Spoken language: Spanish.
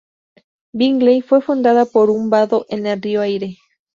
Bingley fue fundada por un vado en el río Aire.